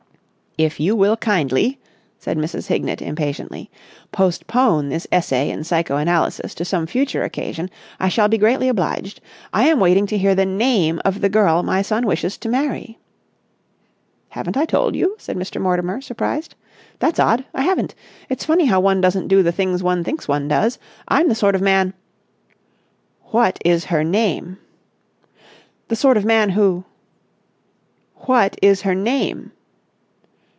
"If you will kindly," said Mrs. Hignett impatiently, "postpone this essay in psycho analysis to some future occasion, I shall be greatly obliged. I am waiting to hear the name of the girl my son wishes to marry." "Haven't I told you?" said Mr. Mortimer, surprised. "That's odd. I haven't. It's funny how one doesn't do the things one thinks one does. I'm the sort of man...." "What is her name?" "... the sort of man who...." "What is her name?"